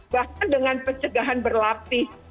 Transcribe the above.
bahkan dengan pencegahan berlapis